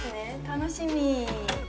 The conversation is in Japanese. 楽しみ。